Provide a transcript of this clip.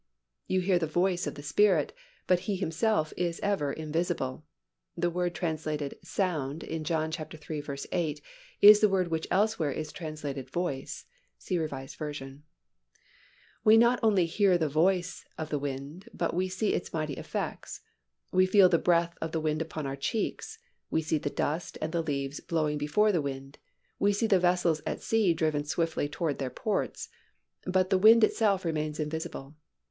You hear the voice of the Spirit but He Himself is ever invisible. (The word translated "sound" in John iii. 8 is the word which elsewhere is translated "voice." See R. V.) We not only hear the voice, of the wind but we see its mighty effects. We feel the breath of the wind upon our cheeks, we see the dust and the leaves blowing before the wind, we see the vessels at sea driven swiftly towards their ports; but the wind itself remains invisible.